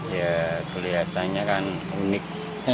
ya kelihatannya kan unik